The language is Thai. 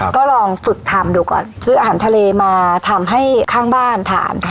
ก็ลองฝึกทำดูก่อนซื้ออาหารทะเลมาทำให้ข้างบ้านทาน